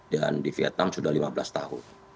dan di vietnam sudah lima belas tahun